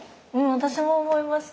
私も思いました。